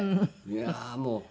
いやあもう。